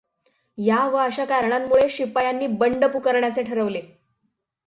या व अशा कारणांमुळे शिपायांनी बंड पुकारण्याचे ठरवले.